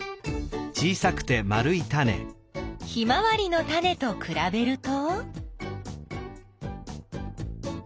ヒマワリのタネとくらべると？